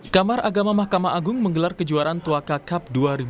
kamar agama mahkamah agung menggelar kejuaraan tuaka cup dua ribu dua puluh